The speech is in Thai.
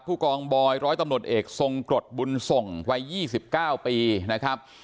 ผู้กองบอยร้อยตำรวจเอกทรงกรดบุญส่งวัย๒๙ปีนะครับ